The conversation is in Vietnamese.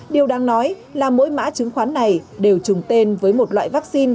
điều đáng nói là mỗi mã chứng khoán này đều trùng tên với một loại vaccine